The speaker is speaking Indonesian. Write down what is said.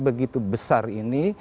begitu besar ini